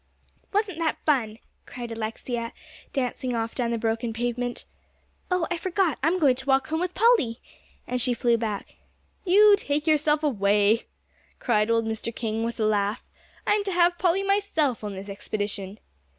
"Wasn't that fun!" cried Alexia, dancing off down the broken pavement. "Oh, I forgot, I'm going to walk home with Polly," and she flew back. "You take yourself away," cried old Mr. King, with a laugh. "I'm to have Polly to myself on this expedition."